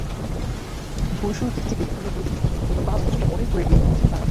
বৈষয়িক দিক থেকে বিভিন্ন বৈশ্বিক সূচকে বিগত পাঁচ বছরে অনেক দূর এগিয়েছে বাংলাদেশ।